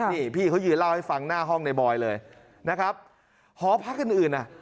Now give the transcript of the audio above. นี่พี่เขายืนเล่าให้ฟังหน้าห้องในบอยเลยนะครับหอพักอื่นอื่นอ่ะ